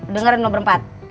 dengar ini nomor empat